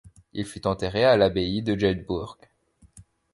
Il fut enterré à l'abbaye de Jedburgh.